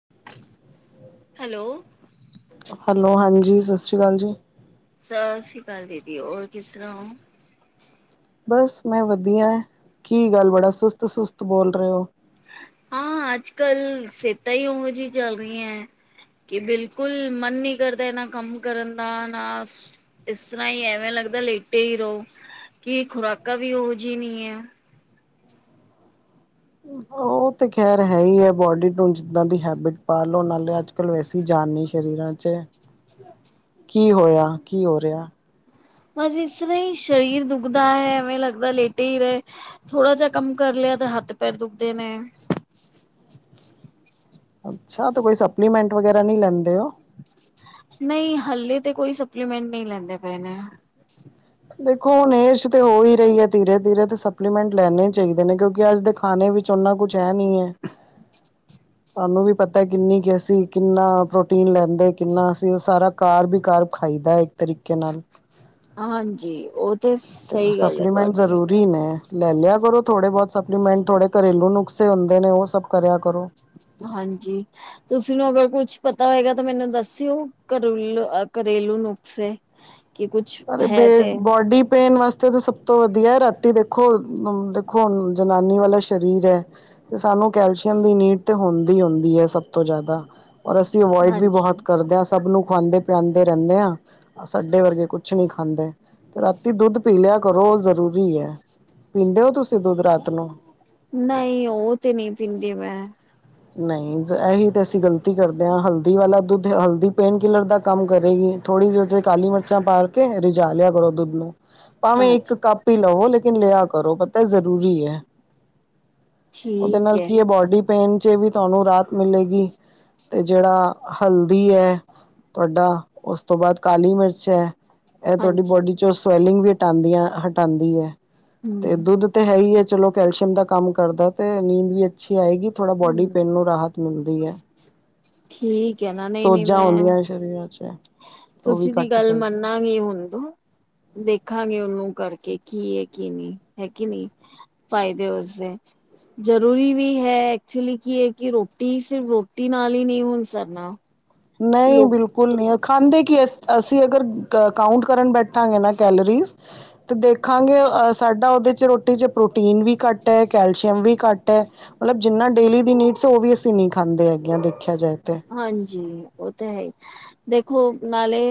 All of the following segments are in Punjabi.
[unintelligible] ਹੈਲੋ। ਹੈਲੋ, ਹਾਂਜੀ, ਸਤਿ ਸ੍ਰੀ ਅਕਾਲ ਜੀ। ਸਤਿ ਸ੍ਰੀ ਅਕਾਲ, ਦੀਦੀ ਹੋਰ ਕਿਸ ਤਰਾਂ ਔਂਂ? ਬਸ, ਮੈਂ ਵਧੀਆ ਐ, ਕੀ ਗੱਲ ਬੜਾ ਸੁਸਤ-ਸੁਸਤ ਬੋਲ ਰੇ ਓ। ਹਾਂ, ਅੱਜ-ਕਲ ਸੇਤਾਂ ਈ ਔਹੋਂ ਜਿ ਚੱਲ ਰੀ ਐਂ। ਕਿ ਬਿਲਕੁਲ ਮਨ ਨੀਂ ਕਰਦਾ, ਐਨਾਂ ਕੰਮ ਕਰਨ ਦਾ। ਨਾ ਇਸ ਰ੍ਹਾਂ ਈ ਐਵੇਂ ਲੱਗਦਾ ਲੇਟੇ ਈ ਰੋ। ਕਿ ਖੁਰਾਕਾਂ ਵੀ ਉਹੋ, ਜਿ ਨੀਂ ਐ। ਓ ਤੇ ਖ਼ੈਰ ਹੈ ਈ ਐ। ਬੋਡੀ ਨੂੰ ਜਿੱਦਾਂ ਦੀ ਹੈਬਿਟ ਪਾ ਲੋ। ਨਾਲੇ ਅੱਜ ਕਲੋ ਏਸੀ ਜਾਨ ਨੀ ਸ਼ਰੀਰਾਂ ਚ। [inaudible] ਕੀ ਹੋਏਆ, ਕੀ ਹੋ ਰੇਆ? ਬਸ ਇਸ ਰ੍ਹਾਂ ਈ ਸ਼ਰੀਰ ਦੁਖਦਾ ਹੈ ਐਵੇਂ ਲਗਦਾ ਲੇਟੇ ਈ ਰਏ ਥੋੜਾ ਜੇਆ ਕੰਮ ਕਰ ਲੇਆ ਤਾਂ ਹਾਥ ਪੈਰ ਦੁਖਦੇ ਨੇ। ਅੱਛਾ ਤੇ ਕੋਈ ਸਪਲੀਮੈਂਟ ਵਗੈਰਾ ਨਈ ਲੈਂਦੇ ਓ? ਨਈ ਹੱਲੇ ਤੇ ਕੋਈ ਸਪਲੀਮੈਂਟ ਨਈ ਲੈਂਦੇ ਪਏ ਨੇ। ਦੇਖੋ ਹੁਣੇ ਏਜ਼ ਤੇ ਹੋ ਈ ਰਈ ਏ ਧੀਰੇ-ਧੀਰੇ ਤੇ ਸਪਲੀਮੈਂਟ ਲੈਣੇ ਚਾਈਦੇ ਨੇ, ਕਿਉਂਕਿ ਆਜ ਦੇ ਖਾਣੇ ਵਿੱ ਚੰਨਾ ਕੁੱਛ ਹੈ ਨੀ ਏ। [inaudible] ਤਾਨੂੰ ਵੀ ਪਤਾ ਏ ਕਿੰਨੀ ਕਿ ਅਸੀਂ ਕਿੰਨਾ ਪ੍ਰੋਟੀਨ ਲੈਂਦੇ, ਕਿੰਨਾ ਅਸੀਂ ਉਹ ਸਾਰਾ ਕਾਰ ਬਿਕਾਰ ਖਾਈ ਦਾ ਏ। ਤਰੀਕੇ ਨਾਲ। ਹਾਂਜੀ ਉਹ ਤੇ ਸਈ ਗੱਲ ਏ ਤੁਆਡੀ। ਪ੍ਰੀ ਮੈਂ ਲੈ ਲੇਆ ਕਰੋ ਥੋੜੇ ਬੋਹਤ ਸਪਲੀਮੈਂਟ ਥੋੜੇ ਕਰੇਲੂ ਨੁਕਸੇ ਹੁੰਦੇ ਨੇ ਉਹ ਸਭ ਕਰੇਆ ਕਰੋ। ਹਾਂਜੀ। ਤੁਸੀਂ ਨੂੰ ਅਗਰ ਕੁੱਛ ਪਤਾ ਹੋਏਗਾ ਤੇ ਮੈਨੂੰ ਦੱਸਿਓ, ਕਰੂਲ ਅ ਕਰੇਲੂ ਨੁਕਸੇ। ਕਿ ਕੁਛ ਅਰੇ ਹੈ ਬੇ ਤੇ ਬੋਡੀ ਪੇਨ ਵਾਸਤੇ ਤਾਂ ਸਬ ਤੋਂ ਵਧੀਆ ਏ ਰਾਤੀ ਦੇਖੋ, ਮ ਦੇਖੋ ਹੁਣ ਜਨਾਨੀ ਵਾਲਾ ਸ਼ਰੀਰ ਐ ਤੇ ਸਾਨੂੰ ਕੈਲਸ਼ੀਅਮ ਦੀ ਨੀਡ ਤੇ ਹੁੰਦੀ-ਹੁੰਦੀ ਐ ਸਭ ਤੋਂ ਜਾਏਦਾ। ਔਰ ਅਸੀਂ ਅਵੋਇਡ ਵੀ ਹਾਂਜੀ, ਬੋਹਤ ਕਰਦੇ ਆਂ, ਸਭ ਨੂੰ ਖਵਾਂਦੇ ਪਿਆਂਦੇ ਰੈਨੇ ਆਂ, ਸਾਡੇ ਵਰਗੇ ਕੁ ਨੀ ਖਾਂਦੇ ਤੇ ਰਾਤੀ ਦੁੱਧ ਪੀ ਲੇਆ ਕਰੋ ਉਹ ਜ਼ਰੂਰੀ ਏ। ਪੀਂਦੇ ਓ ਤੁਸੀਂ ਦੁੱਧ ਰਾਤ ਨੂੰ? ਨਈ ਉਹ ਤੇ ਨਈ ਪੀਂਦੀ ਮੈਂ। ਨਈ ਜ਼ ਐਹੀ ਤੇ ਅਸੀਂ ਗ਼ਲਤੀ ਕਰਦੇ ਆਂ, ਹਲਦੀ ਵਾਲਾ ਦੁੱਧ, ਹਲਦੀ ਪੇਨ ਕਿਲਰ ਦਾ ਕੰਮ ਕਰੇਗੀ। ਥੋੜੀ ਦੇਰ ਉ ਤੇ ਕਾਲੀ ਮਰਚਾਂ ਪਾਲ ਕੇ ਰੀਝਾ ਲੇਆ ਕਰੋ ਦੁੱਧ ਨੂੰ, ਭਾਵੇਂ ਇੱਕ ਅੱਛਾ ਕੱ ਪ ਈ ਲੋ ਲੇਕਿਨ ਲੇਆ ਕਰੋ, ਪਤਾ ਜ਼ਰੂਰੀ ਯੈ। ਓਹਦੇ ਠੀਕ ਨਾਲ ਹੈ, ਕੀ ਏ, ਬੋਡੀ ਪੇਨ ਚ ਵੀ ਤਾਨੂੰ ਰਾਹਤ ਮਿਲੇਗੀ। ਤੇ ਜੇਹੜਾ ਹਲਦੀ ਐ ਤੁਆਡਾ ਉਸ ਤੋਂ ਬਾਅਦ ਕਾਲੀ ਮਿਰਚ ਐ। ਏਹ ਤੁਆਡੀ ਹਾਂਜੀ ਬੋਡੀ ਚੋਂ ਸਵੈਲਿੰਗ ਵੀ ਹਟਾਂਦੀਆਂ ਹਟਾਂਦੀ ਏ। ਤੇ ਹੂੰ, ਦੁੱਧ ਤੇ ਹੈ ਈ ਏ ਚਲੋ ਕੈਲਸ਼ੀਅਮ ਦਾ ਕਾਮ ਕਰਦਾ ਤੇ ਨੀਂਦ ਵੀ ਅੱਛੀ ਆਏਗੀ ਥੋੜਾ ਬੋਡੀ ਹੂੰ ਪੇਨ ਨੂੰ ਰਾਹਤ ਮਿਲਦੀ ਐ। ਠੀਕ ਹੈ ਨਾ ਨਹੀਂ-ਨਹੀਂ ਸੋਜਾਂ ਮੈਂ ਆਉਂਦੀਆਂ ਨੇ ਸਰੀਰਾਂ ਚ ਏਹ। ਤੁਸੀਂ ਵੀ ਗਾਲ ਮੰਣਨਾਗੇ ਹੁਣ ਦੂ। ਦੇਖਾਂਗੇ ਓਹਨੂੰ ਕਰਕੇ ਕੀ ਐ ਕੀ ਨੀ, ਹੈ ਕਿ ਨਈ? ਫ਼ਾਏਦੇ ਉਸਦੇ। ਜਰੂਰੀ ਵੀ ਹੈ ਐਕਚੁਲੀ ਕੀ ਏ ਕਿ ਰੋਟੀ ਹੀ ਸਿਰਫ ਰੋਟੀ ਨਾਲ ਈ ਨਈ ਹੁਣ ਸਰਨਾ। ਨਈ ਲੋਕ ਬਿਲ ਕੁਲ ਨੀ, ਖਾਂਦੇ ਕੀ ਅਸ ਅਸੀਂ ਅਗਰ ਕ ਕਾਉਂਟ ਕਰਨ ਬੈਠਾਂਗੇ ਨਾ ਕੈਲਰੀਜ਼ ਤੇ ਦੇਖਾਂਗੇ ਅ ਸਾਡਾ ਓਹਦੇ ਚ ਰੋਟੀ ਚ ਪ੍ਰੋਟੀਨ ਵੀ ਕਾਟ ਏ, ਕੈਲਸ਼ੀਅਮ ਵੀ ਕਾ ਟ ਹੈ ਮਤਲੱਬ ਜਿੰਨਾ ਡੇਲੀ ਦੀ ਨੀਡਸ ਏ ਉਹ ਵੀ ਅਸੀਂ ਨਈ ਖਾਂਦੇ ਹੈਗੇ ਆਂ ਦੇਖੇਆ ਜਾਏ ਤੇ। ਹਾਂਜੀ ਉਹ ਤੇ ਹੈ ਈ, ਦੇਖੋ ਨਾਲੇ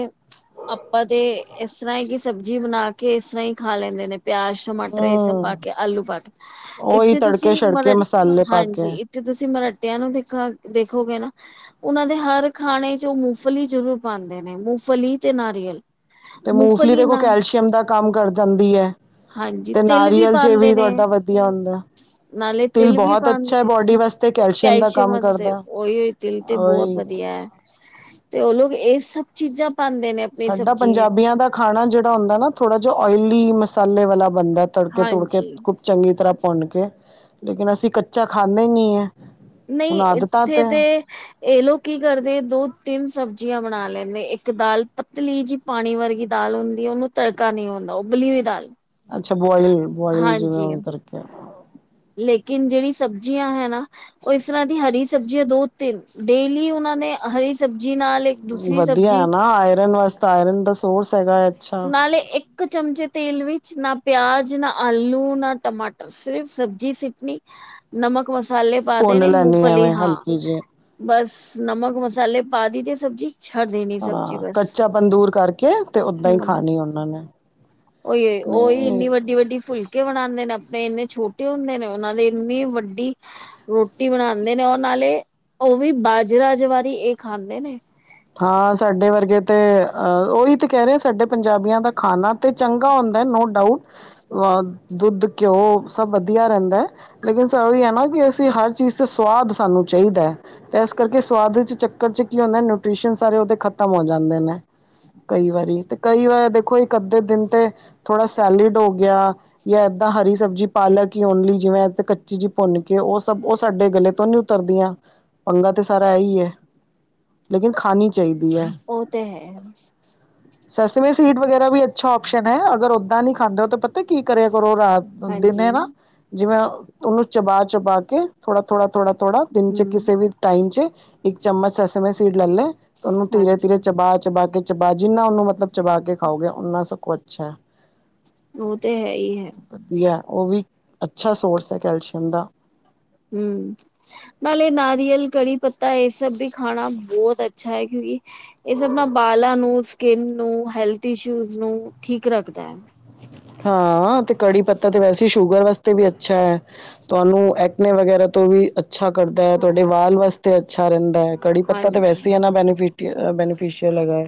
ਅਪਾਂ ਤੇ ਏਸ ਰ੍ਹਾਂ ਹੀ ਕਿ ਸਬਜ਼ੀ ਬਣਾ ਕੇ ਏਸ ਰ੍ਹਾਂ ਹੀ ਖਾ ਲੈਂਦੇ ਨੇ ਪੇਆਜ ਟਮਾਟਰ ਏਹ ਸਭ ਪਾ ਹਮ ਕੇ, ਆਲੂ ਪਾ ਕੇ ਉਹੀ ਏਥੇ ਤੜਕੇ ਤੁਸੀਂ ਛੜਕੇ ਮਨਡ ਮਸਾਲੇ ਪਾ ਕੇ ਹਾਂਜੀ ਤੇ ਤੁਸੀਂ ਮਰਟੇਆਂ ਨੂੰ ਦਿਖਾ, ਦੇਖੋਗੇ ਨਾ ਓਹਨਾਂ ਦੇ ਹਰ ਖਾਣੇ ਚ ਉਹ ਮੂਫਲੀ ਜ਼ਰੂਰ ਪਾਂਦੇ ਨੇ, ਮੂਫਲੀ ਤੇ ਨਾਰੀਅਲ। 'ਤੇ ਮੂੰਗਫਲੀ ਦੇਖੋ ਕੈਲਸ਼ੀਅਮ ਦਾ ਕੰਮ ਕਰ ਜਾਂਦੀ ਐ ਹਾਂਜੀ 'ਤੇ ਤਿਲ ਨਾਰੀਅਲ ਜੇ ਪਾਉਂਦੇ ਵੀ ਨੇ ਤੁਹਾਡਾ ਬ ਜਾਂਦੈ। ਨਾਲੇ ਤਿਲ ਵੀ ਪਾਣ ਨੂੰ ਓਡੀ ਵਾਸਤੇ ਦਾ ਕੈਲਸ਼ੀਅਮ ਕੰਮ ਵਸੇ ਕਰਦਾ ਉਈ-ਉਈ ਤਿਲ 'ਤੇ ਬੋਤ ਉਹੀ ਵਧੀਆ ਐ। 'ਤੇ ਓ ਲੋਕ ਏ ਸਭ ਚੀਜ਼ਾਂ ਪਾਂਦੇ ਨੇ। ਆਪਣੀ ਸਾਡਾ ਸਬਜ਼ੀ ਪੰਜਾਬੀਆਂ ਦਾ ਖਾਣਾ ਜਿਹੜਾ ਹੁੰਦਾ ਨਾ ਥੋੜਾ ਜਾ ਓਇਲੀ, ਮਸਾਲੇ ਵਾਲਾ ਬਣਦੈ। ਤੜਕੇ ਤੁੜਕੇ ਹਾਂਜੀ ਕੁ ਚੰਗੀ ਤਰਾਂ ਭੁੰਨ ਕੇ, ਲੇਕਿਨ ਅਸੀਂ ਕੱਚਾ ਖਾਂਨੇ ਈ ਨੀ ਐ। ਨਈ ਇੱਥੇ 'ਤੇ ਏ ਲੋਕ ਕੀ ਕਰਦੇ ਦੋ-ਤਿੰਨ ਸਬਜ਼ੀਆਂ ਬਣਾ ਲੈਂਨੇ ਇੱਕ ਦਾਲ ਪ ਤਲੀ ਜੀ ਪਾਣੀ ਵਰਗੀ ਦਾਲ ਹੁੰਦੀ ਉਨੂੰ ਤੜਕਾ ਨੀ ਹੁੰਦਾ ਉਬਲੀ ਹੋਈ ਦਾਲ। ਅੱਛਾ ਬੋਆਇਲੀ-ਬੋਆਇਲੀ ਹਾਂਜੀ ਜਿਵੇਂ ਕਰਕੇ। ਲੇਕਿਨ ਜਿਹੜੀ ਸਬਜ਼ੀਆਂ ਹੈ ਨਾ ਓ ਇਸ ਤਰਾਂ ਦੀ ਹਰੀ ਸਬਜ਼ੀਆ ਦੋ-ਤਿੰਨ ਡੇਲੀ ਉਨਾਂ ਨੇ ਹਰੀ ਸਬਜ਼ੀ ਨਾਲ ਦੂਸਰੀ ਵਧੀਆ ਸਬਜ਼ੀ ਐ ਨਾ ਆਇਰਨ ਵਾਸਤੇ, ਆਇਰਨ ਦਾ ਸੋਰਸ ਹੈਗਾ। ਅੱਛਾ ਨਾਲੇ ਇੱ ਕ ਚਮਚੇ ਤੇਲ ਵਿੱਚ ਨਾ ਪਿਆਜ, ਨਾ ਆਲੂ, ਨਾ ਟਮਾਟਰ ਸਿਰਫ਼ ਸਬਜ਼ੀ ਸਿਟਣੀ ਨਮਕ, ਮਸਾਲੇ ਪਾ ਦੇਣੇ ਭੁੰਨ ਲੈਂਦੀ ਮੂੰਗਫਲੀ ਐਵੇਂ ਹਾਂ। ਹਲਕੀ ਜਿਹੀ ਬਸ ਨਮਕ, ਮਸਾਲੇ ਪਾ ਦੀ 'ਤੇ ਸਬਜ਼ੀ ਛੱਡ ਦੇਣੀ ਸਬਜ਼ੀ ਹਾਂ ਬਸ ਕੱਚਾਪਣ ਦੂਰ ਕਰਕੇ 'ਤੇ ਉਦਾਂ ਈ ਖਾਣੀ ਉਨਾਂ ਨੇ। ਉਈ-ਉਈ ਉਹੀ ਨਹੀਂ ਇੰਨੀ ਵੱਡੀ-ਵੱਡੀ ਫੁਲ ਕੇ ਬਣਾਂਦੇ ਨੇ ਆਪਣੇ ਇੰਨੇ ਛੋਟੇ ਹੁੰਦੇ ਨੇ ਉਨਾਂ ਦੇ ਇੰਨੀ ਵੱਡੀ ਰੋਟੀ ਬਣਾਂਦੇ ਨੇ ਔਰ ਨਾਲੇ ਓ ਵੀ ਬਾਜਰਾ ਜਵਾਰੀ ਏ ਖਾਂਦੇ ਨੇ। ਹਾਂ ਸਾਡੇ ਵਰਗੇ 'ਤੇ ਅ ਉਈ 'ਤੇ ਕੈ ਰੇਆ ਸਾਡੇ ਪੰਜਾਬੀਆਂ ਦਾ ਖਾਨਾ 'ਤੇ ਚੰਗਾ ਹੁੰਦਾ ਨੋ ਡਾਊਟ ਅ ਦੁੱਧ, ਘਿਓ ਸਭ ਵਧੀਆ ਰਹਿੰਦਾ ਐ। ਲੇਕਿਨ ਸ ਵੀ ਐ ਨਾ ਕਿ ਅਸੀਂ ਹਰ ਚੀਜ਼ 'ਤੇ ਸਵਾਦ ਸਾਨੂੰ ਚਾਈਦੈ।। 'ਤੇ ਇਸ ਕਰਕੇ ਸੁਆਦ ਵਿਚ ਚੱਕਰ 'ਚ ਕੀ ਹੁੰਨਾ ਨਿਊ ਟਰੇਸ਼ਨ ਸਾਰੇ ਉਦੇ ਖ਼ਤਮ ਹੋ ਜਾਂਦੇ ਨੇ, ਕਈ ਵਾਰੀ 'ਤੇ ਕਈ ਵਾਰ ਦੇਖੋ ਇੱਕ, ਅੱਧੇ ਦਿਨ 'ਤੇ ਥੋੜਾ ਸੈਲਿਡ ਹੋ ਗਿਆ ਜਾਂ ਏਦਾਂ ਹਰੀ ਸਬਜ਼ੀ ਪਾਲਕ ਈ ਓਨਲੀ ਜਿਵੇਂ ਐਤ ਕੱਚੀ ਜੀ ਭੁੰਨ ਕੇ ਓ ਸਭ ਓ ਸਾਡੇ ਗਲੇ ਤੋਂ ਨੀ ਉ ਤਰਦੀਆਂ ਪੰਗਾ 'ਤੇ ਸਾਰਾ ਐਈ ਐ। ਲੇਕਿਨ ਖਾਨੀ ਚਾਈਦੀ ਐ। ਓ 'ਤੇ ਹੈ। ਸਸਵੇਂ ਸੀਟ ਵਗੈਰਾ ਵੀ ਅੱਛਾ ਓਪਸ਼ਨ ਐ ਅਗਰ ਉਦਾਂ ਨੀ ਖਾਂਦੇ ਓ ਤਾਂ ਪਤਾ ਕੀ ਕਰਿਆ ਕਰੋ ਰਾ ਹਾਂਜੀ ਦਿੰਨੇ ਨਾ ਹੂੰ, ਜਿਵੇਂ ਉਨੂੰ ਚਬਾ-ਚਬਾ ਕੇ ਥੋੜਾ-ਥੋੜਾ-ਥੋੜਾ-ਥੋੜਾ ਦਿਨ 'ਚ ਕਿਸੇ ਵੀ ਟਾਈਮ 'ਚ ਇੱਕ ਚਮਚ ਐਸੇ ਮੇਂ ਸੀਡ ਲੈ ਲੈਂ 'ਤੇ ਉਨੂੰ ਹਾਂਜੀ ਤੀਰੇ-ਤੀਰੇ ਚਬਾ-ਚਬਾ ਕੇ ਚਬਾ ਜਿੰਨਾ ਉਨੂੰ ਮਤਲਬ ਚਬਾ ਕੇ ਖਾਓਗੇ ਉਨਾਂ ਸਕੋ ਅੱਛਾ ਐ। ਓ 'ਤੇ ਹੈ ਈ ਹੈ। ਵਧੀਆ ਓ ਵੀ ਅੱਛਾ ਸੋਰਸ ਐ ਕੈਲਸ਼ੀਅਮ ਦਾ। ਹੂੰ ਨਾਲੇ ਨਾਰੀਅਲ, ਕੜੀ ਪੱਤਾ ਏ ਸਭ ਵੀ ਖਾਣਾ ਬੋਤ ਅ ਛਾ ਏ ਕਿਉਂਕਿ ਏ ਸਭ ਨਾ ਬਾਲਾਂ ਨੂੰ ਸ ਕਿੰਨ ਨੂੰ, ਹੈਲਥ ਇਸ਼ੂਜ਼ ਨੂੰ ਠੀਕ ਰੱਖਦਾ ਐ। ਹਾਂ 'ਤੇ ਕੜੀ ਪੱਤਾ 'ਤੇ ਵੈਸੇ ਈ ਸ਼ੂਗਰ ਵਾਸਤੇ ਵੀ ਅੱਛਾ ਐ। ਤੁਹਾਨੂੰ ਐਟਨੇ ਵਗੈਰਾ ਤੋਂ ਵੀ ਅੱਛਾ ਕਰਦਾ ਐ, ਤੁਹਾਡੇ ਵਾਲ ਵਾਸਤੇ ਅੱਛਾ ਰਹਿੰਦਾ ਐ। ਕੜੀ ਪੱਤਾ 'ਤੇ ਵੈਸੇ ਈ ਐਨਾ ਹਾਂਜੀ-ਹਾਂਜੀ, ਬੈਨੀਫਿਟ, ਬੈਨੀਫਿਸ਼ੀਅਲ ਹੈਗਾ।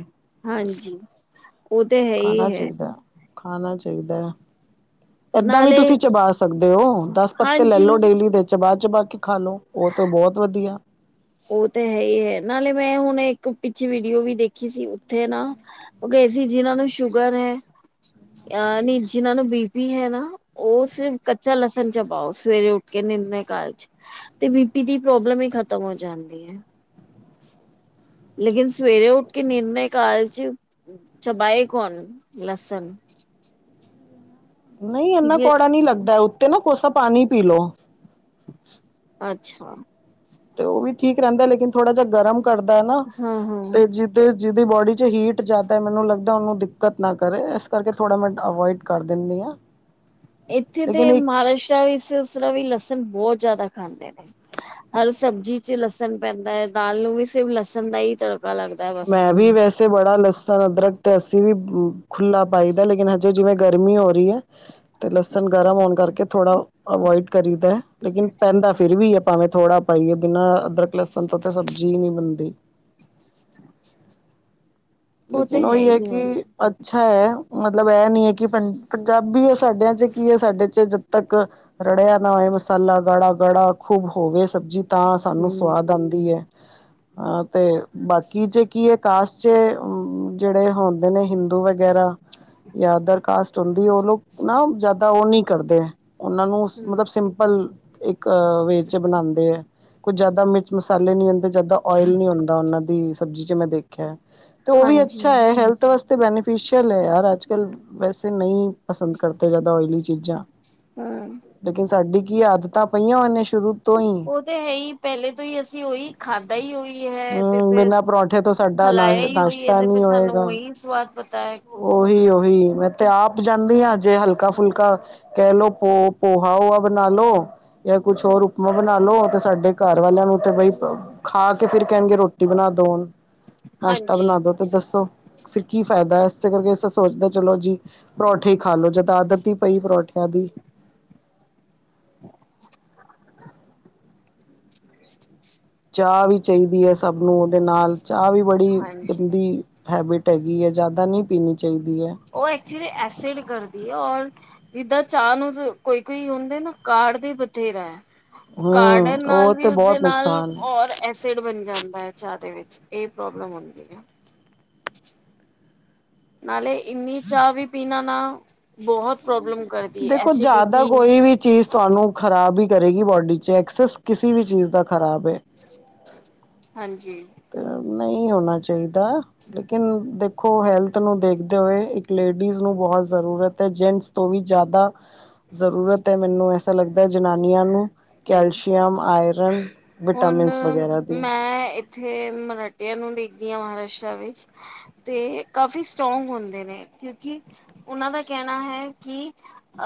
ਹਾਂਜੀ ਉਹ ਤੇ ਹੈ ਹੀ ਖਾਣਾ ਹੈ। ਚਾਹੀਦਾ ਖਾਣਾ ਚਾਹੀਦਾ। ਏਦਾਂ ਵੀ ਨਾਲੇ ਤੁਸੀਂ ਚਬਾ ਸਕਦੇ ਓ ਦਸ ਪੱਤੇ ਲੈ ਹਾਂਜੀ ਲੋ ਡੇਲੀ ਦੇ ਚਬਾ-ਚਬਾ ਕੇ ਖਾ ਲੋ। ਉਹ ਤੋ ਬਹੁਤ ਵਧੀਆ। ਉਹ ਤੇ ਹੈ ਹੀ ਹੈ ਨਾਲੇ ਮੈਂ ਹੁਣ ਇੱਕ ਪਿੱਛੇ ਵੀਡੀਓ ਵੀ ਦੇਖੀ ਸੀ ਉੱਥੇ ਨਾ ਉਹ ਗਏ ਸੀ ਜਿਨਾਂ ਨੂੰ ਸ਼ੂਗਰ ਹੈ ਅ ਨੀ ਜਿਨਾਂ ਨੂੰ ਬੀ ਪੀ ਹੈ ਨਾ ਉਹ ਸਿਰਫ ਕੱਚਾ ਲਸਣ ਚਬਾਓ ਸਵੇਰੇ ਉੱਠ ਕੇ ਨਿਰਨੇ ਕਾਲਜੇ। ਤੇ ਬੀ ਪੀ ਦੀ ਪ੍ਰੋਬਲਮ ਹੀ ਖਤਮ ਹੋ ਜਾਂਦੀ ਏ। ਲੇਕਿਨ ਸਵੇਰੇ ਉੱਠ ਕੇ ਨਿਰਨੈ ਕਾਲਜੇ, ਚਬਾਏ ਕੌਣ, ਲਸਨ। ਨਹੀਂ ਇੰਨਾ ਕੌੜਾ ਨੀ ਲੱਗਦਾ ਉੱਤੇ ਨਾ ਕੋਸਾ ਪਾਣੀ ਪੀ ਲੋ। ਅੱਛਾ। ਤੇ ਉਹ ਵੀ ਠੀਕ ਰਹਿੰਦਾ ਲੇਕਿਨ ਥੋੜਾ ਜਿਹਾ ਗਰਮ ਕਰਦਾ ਏ ਨਾ ਹਾਂ ਤੇ ਹਾਂ ਜ ਤੇ ਜਿਹਦੀ ਬੋਡੀ 'ਚ ਹੀਟ ਜਿਆਦਾ ਏ ਮੈਨੂੰ ਲੱਗਦਾ ਉਹਨੂੰ ਦਿ ਦਿੱਕਤ ਨਾ ਕਰੇ ਇਸ ਕਰਕੇ ਥੋੜ੍ਹਾ ਮੈਂ ਅਵੋਇਡ ਕਰ ਦਿੰਨੀ ਆ। ਇੱਥੇ ਤੇ ਮਹਾਰਾਸ਼ਟਰ ਵੀ ਸਸ ਵੀ ਲਸਨ ਬਹੁਤ ਜ਼ਿਆਦਾ ਖਾਂਦੇ ਨੇ। ਹਰ ਸਬਜ਼ੀ 'ਚ ਲਸਨ ਪੈਂਦਾ ਹੈ ਦਾਲ ਨੂੰ ਵੀ ਸਿਰਫ ਲਸਨ ਦਾ ਹੀ ਤੜਕਾ ਲੱਗਦਾ। ਹੈ ਬਸ। ਮੈਂ ਵੀ ਵੈਸ ਸੇ ਬੜਾ ਲਸਨ, ਅਦਰਕ ਤੇ ਅੱਸੀ ਵੀ ਖੁੱਲਾ ਪਾਈਦਾ ਲੇਕਿਨ ਹਜੇ ਜਿਵੇਂ ਗਰਮੀ ਹੋ ਰਹੀ ਏ ਤੇ ਲਸਨ ਗਰਮ ਹੋਣ ਕਰਕੇ ਥੋੜ੍ਹਾ ਅਵੋਇਡ ਕਰੀਦਾ ਲੇਕਿਨ ਪੈਂਦਾ ਫਿਰ ਵੀ ਹੈ ਭਾਵੇਂ ਥੋੜਾ ਪਾਈਏ ਬਿਨਾ ਅਦਰਕ ਲਸਨ ਤੋਂ ਤੇ ਸਬਜ਼ੀ ਹੀ ਨੀ ਬਨਦੀ। ਉਹ ਤੇ ਲੇਕਿਨ ਉਹੀ ਹੈ ਹੀ ਕਿ ਅ ਅੱਛਾ ਹੈ ਮਤਲਬ ਐ ਨੀ ਹੈ ਕਿ ਪੰਜ ਪੰਜਾਬੀ ਹੈ ਸਾਡਿਆਂ ਚ ਕੀ ਹੈ ਸਾਡੇ ਚ ਜਦ ਤੱਕ ਰੜਿਆ ਨਾ ਹੋਏ ਮਸਾਲਾ ਗਾੜਾ-ਗਾੜਾ ਖੂਬ ਹੋਵੇ ਸਬਜ਼ੀ ਤਾਂ ਸਾਨੂੰ ਹੂੰ। ਸਵਾਦ ਆਂਦੀ ਐ। ਹਾਂ ਤੇ, ਬਾਕੀ ਚੇ ਕੀ ਹੈ ਕਾਸਟ ਚ ਹੂੰ ਜਿਹੜੇ ਹੁੰਦੇ ਨੇ ਹਿੰਦੂ ਵਗੈਰਾ ਯਾ ਅਦਰ ਕਾਸਟ ਚੁੰਦੀ ਉਹਨੂੰ, ਨਾ ਜਿਆਦਾ ਉਹ ਨੀ ਕਰਦੇ, ਉਹਨਾ ਨੂੰ ਮਤਲਬ ਹੂੰ ਸਿੰਪਲ ਇੱਕ ਵੇ 'ਚ ਬਣਾਂਦੇ ਏ। ਕੁਝ ਜਿਆਦਾ ਮਿਰਚ ਮਸਾਲੇ ਨੀ ਹੁੰਦੇ ਜਿਆਦਾ ਓਇਲ ਨੀ ਹੁੰਦਾ ਉਹਨਾ ਦੀ ਸਬਜ਼ੀ 'ਚ ਮੈਂ ਦੇਖਿਆ। ਨਹੀ ਤੇ ਉਹ ਵੀ ਹਾਂਜੀ ਅੱਛਾ ਹੈ ਹੈਲਥ ਵਾਸਤੇ ਬੈਨੀਫਿਸ਼ੀਅਲ ਹੈ ਯਾਰ ਅੱਜਕੱਲ੍ਹ ਵੈਸੇ ਨਹੀਂ ਪਸੰਦ ਕਰਦੇ ਜ਼ਿਆਦਾ ਓਇਲੀ ਚੀਜ਼ਾਂ। ਹਾਂ ਲੇਕਿਨ ਸਾਡੀ ਕੀ ਆਦਤਾਂ ਪਈਆਂ ਉਹਨੇ ਸ਼ੁਰੂ ਤੋਂ ਹੀ ਉਹ ਤੇ ਹੈ ਹੀ ਪਹਿਲੇ ਤੋਂ ਹੀ ਅਸੀਂ ਉਹੀ ਖਾਧਾ ਈ ਉਹੀ ਹੈ ਤੇ ਫਿਰ ਜਦੋਂ ਸਾਡਾ ਖਲਾਇਆ ਹੀ ਉਹੀ ਹੈ ਨਸ਼ਤਾ ਤੇ ਫਿਰ ਸਾਨੂੰ ਓਹੀ ਸਵਾਦ ਪਤਾ ਓਹੀ-ਓਹੀ ਮੈਂ ਤੇ ਆਪ ਜਾਂਦੀ ਹਾਂ ਜੇ ਹਲਕਾ-ਫੁਲਕਾ ਕਹਿ ਲੋੋ ਪੋ ਪੋਹਾ ਹੋਹਾ ਬਨਾ ਲੋ, ਯਾ ਕੁਛ ਹੋਰ ਬਣਾਲੋ ਤੇ ਸਾਡੇ ਘਰ ਵਾਲਿਆਂ ਨੂੰ ਤੇ ਬਈ ਖਾ ਕੇ ਫਿਰ ਕਹਿਣਗੇ ਰੋਟੀ ਬਣਾ ਦੋ, ਨਾਸ਼ਤਾ ਹਾਂਜੀ। ਬਣਾ ਦੋ। ਸੋ, ਫਿਰ ਕੀ ਫਾਇਦਾ ਇਸੇ ਕਰਕੇ ਅਸੀ ਸੋਚਦੇ ਚਲੋ ਜੀ ਪਰੌਠੇ ਹੀ ਖਾਲੋ ਜਦ ਆਦਤ ਹੀ ਪਈ ਪਰੌਠਿਆਂ ਦੀ [inaudible] [inaudible] ਚਾਹ ਵੀ ਚਾਹੀਦੀ ਹੈ ਸਭ ਨੂੰ ਉਹਦੇ ਨਾਲ ਚਾਹ ਵੀ ਬੜੀ ਹਾਂਜੀ ਗੰਦੀ ਹੈਬਿਟ ਹੈਗੀ ਐ ਜ਼ਾਦਾ ਨੀ ਪੀਨੀ ਚਾਈਦੀ ਐ। ਓ ਐਕਚੁਲੀ ਐਸਿਡ ਕਰਦੀ ਐ ਔਰ ਜਿੱਦਾਂ ਚਾਅ ਨੂੰ ਕੋਈ-ਕੋਈ ਹੁੰਦੇ ਨਾ ਕਾੜਦੀ ਬਥੇਰਾ ਐ। ਹੂੰ, ਕਾੜਨ ਉਹ ਨਾਲ ਵੀ ਤੇ ਉਸਦੇ ਬਹੁਤ ਨਾਲ ਨੁਕਸਾਨ ਹੈ। ਔਰ ਐਸਿਡ ਬਨ ਜਾਂਦਾ ਐ ਚਾਹ ਦੇ ਵਿੱਚ ਏ ਪ੍ਰੋਬਲਮ ਹੁੰਦੀ ਐ। ਨਾਲੇ ਇੰਨੀ ਚਾਹ ਵੀ ਪੀਨਾ ਨਾ ਬੋਤ ਪ੍ਰੋਬਲਮ ਕਰ ਦੇਖੋ ਜਾਦਾ ਕੋਈ ਵੀ ਚੀਜ਼ ਤੁਆਨੂੰ ਖ਼ਰਾਬ ਈ ਕਰੇਗੀ ਬੋਡੀ ਚ ਐਕਸਸ ਕਿਸੀ ਵੀ ਚੀਜ਼ ਦਾ ਖ਼ਰਾਬ ਐ। ਹਾਂਜੀ ਤੇ ਨਈ ਹੋਨਾ ਚਈਦਾ। ਲੇਕਿਨ ਦੇਖੋ ਹੈਲਥ ਨੂੰ ਦੇਖਦੇ ਹੋਏ ਇੱਕ ਲੇਡੀਜ਼ ਨੂੰ ਬੋਤ ਜ਼ਰੂਰਤ ਐ ਜੈਂਟਸ ਤੋਂ ਵੀ ਜਾਦਾ ਜ਼ਰੂਰਤ ਐ ਮੈਨੂੰ ਐਸਾ ਲੱਗਦਾ ਜਨਾਨੀਆਂ ਨੂੰ ਕੈਲਸ਼ੀਅਮ, ਆਇਰਨ ਹੁਨ ਵਿਟਾਮਿਨਸ ਵਗੈਰਾ ਦੀ। ਮੈਂ ਏਥੇ ਮਰਾਠਿਆਂ ਨੂੰ ਦੇਖਦੀ ਆਂ ਮਹਾਰਾਸ਼ਟਰਾ ਵਿੱਚ ਤੇ ਏ ਕਾਫੀ ਸਟਰ੍ਰੋਂਗ ਹੁੰਦੇ ਨੇ ਕਿਓਂਕਿ ਓਨਾਂ ਦਾ ਕੈਨਾ ਐ ਕੀ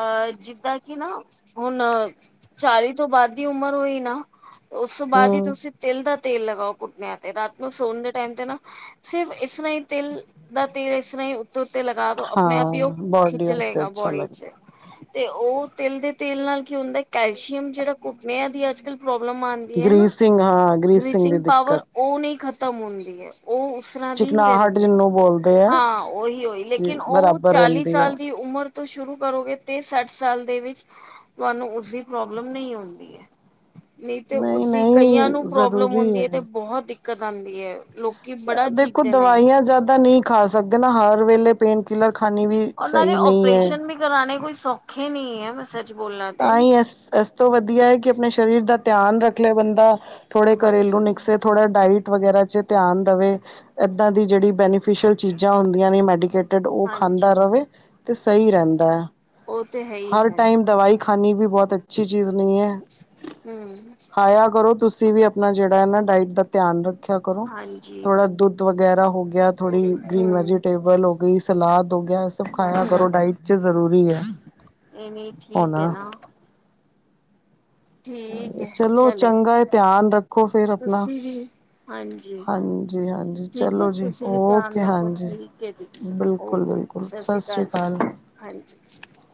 ਅਹ ਜਿੱਦਾਂ ਕੇ ਨਾ ਹੁਨ ਚਾਲੀ ਤੋਂ ਬਾਦ ਦੀ ਉਮਰ ਹੋਈ ਨਾ, ਉਸ ਤੋਂ ਬਾਦ ਈ ਹੂੰ, ਤੁਸੀਂ ਤਿਲ ਦਾ ਤੇਲ ਲਗਾਓ। ਘੁਟਨੇਆ ਤੇ ਰਾਤ ਨੂੰ ਸੋਨ ਦੇ ਟਾਈਮ ਤੇ ਨਾ ਸਿਰਫ ਇਸ ਤਰਾਂ ਈ ਤਿਲ ਦਾ ਤੇਲ ਇਸ ਤਰਾਂ ਈ ਤੋ ਉਤੇ ਲਗਾ ਦੋ ਆਪਨੇ ਹਾਂ ਆਪ ਈ ਓ ਬੋਡੀ ਖਿੱਚ ਵਾਸਤੇ ਲਏਗਾ ਅੱਛਾ ਬੋਡੀ ਚ। ਲੱਗਦਾ। ਤੇ ਓ ਤਿਲ ਦੇ ਤੇਲ ਨਾਲ ਕੀ ਹੁੰਦਾ ਕੈਲਸ਼ੀਅਮ ਜੇੜਾ ਘੁਟਨਿਆਂ ਦੀ ਅੱਜ-ਕਲ ਪ੍ਰੌਬ ਲਮ ਆਂਦੀ ਐ ਨਾ, ਗ੍ਰੀਸਿੰਗ ਹਾਂ ਗ੍ਰੀਸਿੰਗ ਦੀ ਬ੍ਰੀਚਿੰਗ ਦਿੱਕਤ ਪਾਵਰ ਓਨੀ ਖਤਮ ਹੁੰਦੀ ਐ। ਓ ਉਸ ਤਰਾਂ ਦੀ ਈ ਚਿਕਨਾਹਟ ਰੈਂਦੀ ਐ, ਜਿਹਨੂੰ ਬੋਲਦੇ ਹੈ। ਹਾਂ ਓਈ ਹੋਈ ਕਿ ਲੇਕਿਨ ਓ ਬਰਾਬਰ ਚਾਲੀ ਰਹਿੰਦੀ ਹੈ ਸਾਲ ਦੀ ਉਮਰ ਤੋਂ ਸ਼ੁਰੂ ਕਰੋਗੇ ਤੇ ਸੱਠ ਸਾਲ ਦੇ ਵਿਚ ਤੁਆਨੂੰ ਉਸਦੀ ਪ੍ਰੋਬਲਮ ਨਈ ਹੁੰਦੀ ਐ। ਨਈਂ ਤੇ ਨਹੀਂ ਉਸਦੀ ਕਈਆਂ ਨੂੰ ਨਹੀਂ ਪ੍ਰੋਬਲਮ ਜ਼ਰੂਰੀ ਹੁੰਦੀ ਏ ਤੇ ਹੈ ਬੋਤ ਦਿੱਕਤ ਆਂਦੀ ਐ ਲੋਕ ਦੇਖੋ ਦਵਾਈਆਂ ਜਾਦਾ ਨਈਂ ਖਾ ਸਕਦੇ ਨਾ ਹਰ ਵੇਲੇ। ਪੇਨ ਕਿਲਰ ਖਾਨੀ ਵੀ ਸਈ ਨਈਂ ਐ। ਕਰਾਨੇ ਕੋਈ ਸੌਖੇ ਨੀ ਐ ਵੈਸੇ ਤਾਂਈ ਇਸ-ਇਸ ਤੋਂ ਵਦੀਆ ਐ ਕੇ ਆਪਨੇ ਸਰੀਰ ਦਾ ਧਿਆਨ ਰੱਖ ਲਏ ਬੰਦਾ। ਥੋੜੇ ਘਰੇਲੂ ਹਾਂਜੀ ਨੁਕਸੇ ਥੋੜਾ ਡਾਇਟ ਵਗੈਰਾ ਚ ਧਿਆਨ ਦਵੇ। ਏਦਾਂ ਦੀ ਜੇੜੀ ਬੈਨੀਫਿਸ਼ਲ ਚੀਜ਼ਾਂ ਹੁੰਦੀਆਂ ਨੇ ਮੈਡੀਕੇਟ ਓ ਹਾਂਜੀ ਖਾਂਦਾ ਰਵੇ ਤੇ ਸਈ ਰੈਂਦੈ, ਉਹ ਤੇ ਹੈ ਹੀ ਹਰ ਹੈ ਟਾਈਮ ਦਵਾਈ ਖਾਨੀ ਵੀ ਬੋਤ ਅੱਛੀ ਚੀਜ਼ ਨਈਂ ਐ, ਹਮ ਖਾਇਆ ਕਰੋ ਤੁਸੀਂ ਵੀ ਆਪਨਾ ਜੇੜਾ ਐ ਨਾ ਡਾਇਟ ਦਾ ਧਿਆਨ ਰੱਖਿਆ ਕਰੋ, ਹਾਂਜੀ ਥੋੜਾ ਦੁੱਧ ਵਗੈਰਾ ਹੋ ਗੇਆ। ਥੋੜੀ ਗ੍ਰੀਨ ਹਮ ਵੈਜੀਟੇਬਲ ਹੋ ਗਈ ਸਲਾਦ ਹੋ ਗੇਆ। ਹਾਂਜੀ ਏਵੀਂ ਠੀਕ ਐ ਹੋਣਾ ਨਾ। ਓਈ ਠੀਕ ਐ, ਹੈ ਚਲੋ ਚਲੇਗਾ ਚੰਗਾ ਏ ਧਿਆਨ ਰੱਖੋ ਫੇਰ ਆਪਨਾ। ਤੁਸੀਂ ਵੀ ਹਾਂਜੀ। ਹਾਂਜੀ-ਹਾਂਜੀ ਠੀਕ ਹੈ ਚਲੋ ਜੀ ਤੁਸੀਂ ਵੀ ਧਿਆਨ ਓਕੇ ਰੱਖੋ ਹਾਂਜੀ, ਠੀਕ ਹੈ ਦੀਦੀ ਓਕੇ ਬਿਲਕੁਲ-ਬਿਲ ਕੁਲ ਸਤਿ ਸ਼੍ਰੀ ਸਸ ਰੀ ਅਕਾਲ ਜੀ ਕਾਲ। ਹਾਂਜੀ।